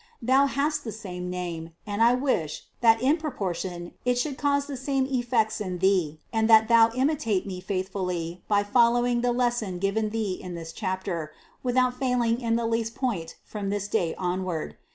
Thou hast the same name and I wish, that in proportion it should cause the same effects in thee and that thou imitate me faithfully by following the lesson given thee in this chapter, without failing in the least point from this day onward.